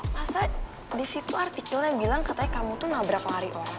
masa disitu artikelnya bilang katanya kamu tuh nabrak lari orang